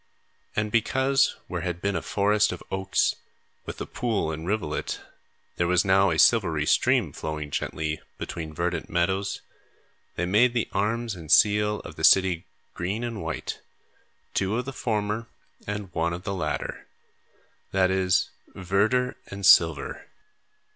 And, because where had been a forest of oaks, with the pool and rivulet, there was now a silvery stream flowing gently between verdant meadows, they made the arms and seal of the city green and white, two of the former and one of the latter; that is, verdure and silver.